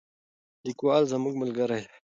لیکوال زموږ ملګری دی.